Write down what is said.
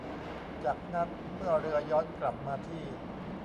จากนั้นเมื่อเรือย้อนกลับมาที่